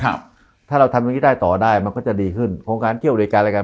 ครับถ้าเราทำอย่างงี้ได้ต่อได้มันก็จะดีขึ้นโครงการเที่ยวบริการอะไรกัน